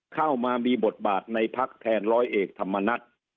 เข้ามามีบทบาทในพักแทนร้อยเอกธรรมนัฐ